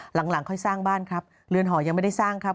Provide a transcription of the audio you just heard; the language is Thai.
หลังค่อยสร้างบ้านครับเรือนหอยังไม่ได้สร้างครับ